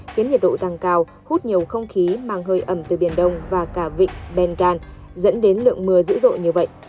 khiến nhiệt độ tăng cao hút nhiều không khí mang hơi ẩm từ biển đông và cả vịnh bengan dẫn đến lượng mưa dữ dội như vậy